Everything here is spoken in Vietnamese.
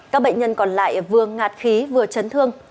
các bệnh nhân còn lại vừa ngạt khí vừa chấn thương